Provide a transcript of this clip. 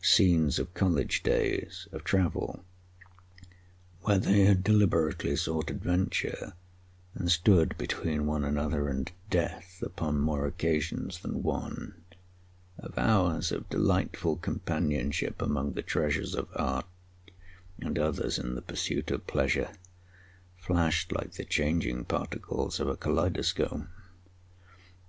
Scenes of college days, of travel, where they had deliberately sought adventure and stood between one another and death upon more occasions than one, of hours of delightful companionship among the treasures of art, and others in the pursuit of pleasure, flashed like the changing particles of a kaleidoscope.